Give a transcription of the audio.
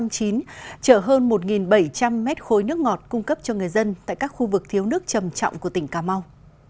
trở hơn một bảy trăm linh mét khối nước ngọt cung cấp cho người dân tại các khu vực thiếu nước trầm trọng của tỉnh cà mau